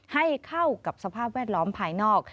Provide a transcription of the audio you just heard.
ให้เข้ากับสภาพแวดล้อมภายนอก